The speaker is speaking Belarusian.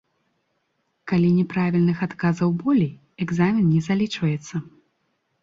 Калі няправільных адказаў болей, экзамен не залічваецца.